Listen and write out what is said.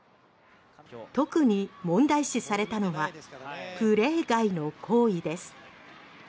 特に問題視されたのはプレー外の行為です。